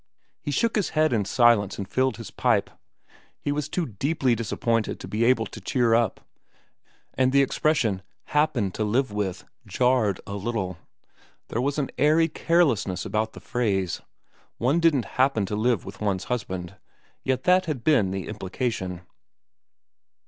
He shook his head in silence and filled his pipe. He was too deeply dis appointed to be able to cheer up. And the expression ' happen to live with,' jarred a little. There was an airy carelessness about the phrase. One didn't happen to live with one's husband ; yet that had been the implication.